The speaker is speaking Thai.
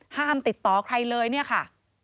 ห้ามติดต่อใครเลยเนี่ยค่ะ